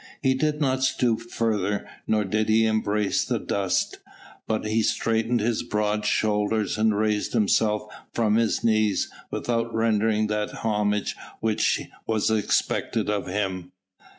He did not stoop further nor did he embrace the dust; but he straightened his broad shoulders and raised himself from his knees without rendering that homage which was expected of him.